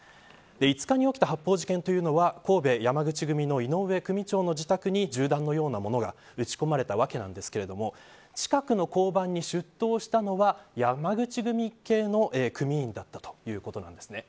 ５日に起きた発砲事件は神戸山口組の井上組長の自宅に銃弾のようなものが撃ち込まれたわけですが近くの交番に出頭したのは山口組系の組員だったということです。